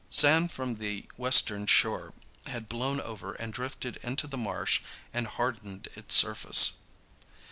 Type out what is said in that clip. Sand from the western shore had blown over and drifted into the marsh and hardened its surface.